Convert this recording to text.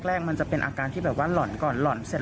แรกมันจะเป็นอาการที่แบบว่าหล่อนก่อนหล่อนเสร็จ